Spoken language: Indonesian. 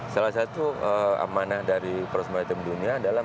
salah satu amanah dari proses melayu timun dunia adalah